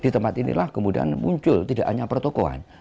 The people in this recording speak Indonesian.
di tempat inilah kemudian muncul tidak hanya pertokohan